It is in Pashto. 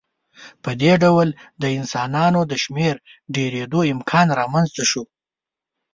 په دې ډول د انسانانو د شمېر ډېرېدو امکان رامنځته شو.